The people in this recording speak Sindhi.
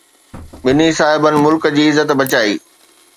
ٻنهي صاحبن ملڪ جي عزت بچائي.